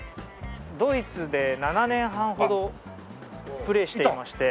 ドイツで７年半ほどプレーしていまして。